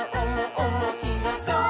おもしろそう！」